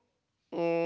うん。